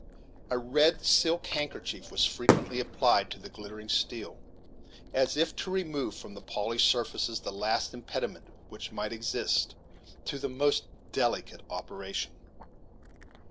A red silk handkerchief was frequently applied to the glittering steel, as if to remove from the polished surfaces the least impediment which might exist to the most delicate operation.